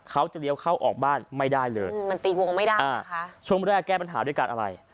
เขาจะเลี้ยวเข้าออกบ้านไม่ได้เลยมันตีวงไม่ได้ช่วงแรกแก้ปัญหาด้วยการอะไร